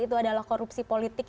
itu adalah korupsi politik